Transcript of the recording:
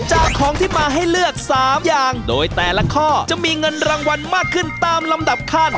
จากของที่มาให้เลือก๓อย่างโดยแต่ละข้อจะมีเงินรางวัลมากขึ้นตามลำดับขั้น